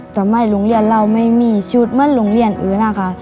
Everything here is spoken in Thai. ทำไมโรงเรียนเราไม่มีชุดเหมือนโรงเรียนอื่นนะคะ